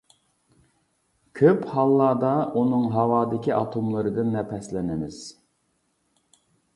كۆپ ھاللاردا ئۇنىڭ ھاۋادىكى ئاتوملىرىدىن نەپەسلىنىمىز.